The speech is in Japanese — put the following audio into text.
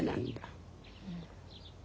うん。